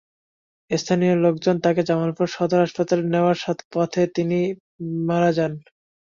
স্থানীয় লোকজন তাঁকে জামালপুর সদর হাসপাতালে নেওয়ার পথে তিনি মারা যান।